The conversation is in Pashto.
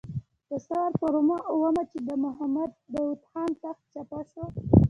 د ثور پر اوومه چې د محمد داود خان تخت چپه شو.